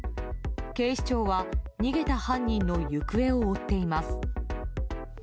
警視庁は逃げた犯人の行方を追っています。